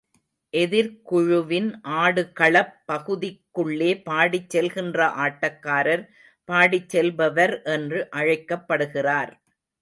எதிர்க்குழுவின் ஆடுகளப் பகுதிக்குள்ளே பாடிச் செல்கின்ற ஆட்டக்காரர், பாடிச் செல்பவர் என்று அழைக்கப்படுகிறார்.